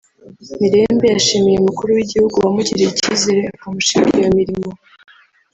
Mirembe yashimiye Umukuru w’Igihugu wamugiriye icyizere akamushinga iyo mirimo